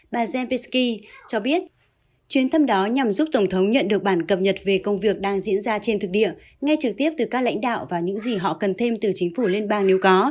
bà zenpisky cho biết chuyến thăm đó nhằm giúp tổng thống nhận được bản cập nhật về công việc đang diễn ra trên thực địa ngay trực tiếp từ các lãnh đạo và những gì họ cần thêm từ chính phủ liên bang nếu có